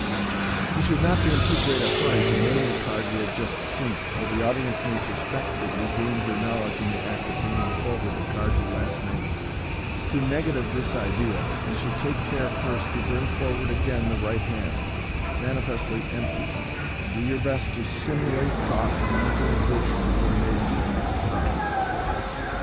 You should not be in too great a hurry to name the card you have just seen, or the audience may suspect that you gained your know ledge in the act of bringing forward the card you last named. To negative this idea, you should take care first to bring forward again the right hand, manifestly empty, and do your best to simulate thought and mental exertion before naming the next card.